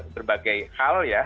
berbagai hal ya